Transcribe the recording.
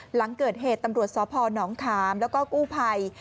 หลังเกิดเหตุตำรวจสพนขามแล้วก็กู้ภัย